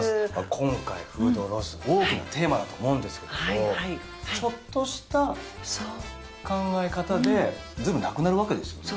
今回フードロス大きなテーマだと思うんですけれどもちょっとした考え方で随分なくなるわけですよね